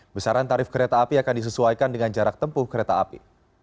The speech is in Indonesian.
besaran tarif kereta api akan disesuaikan dengan jarak tempuh kereta api